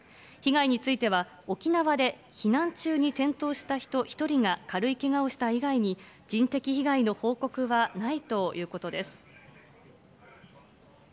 被害については、沖縄で避難中に転倒した人１人が軽いけがをした以外に人的被害の報告はないということです。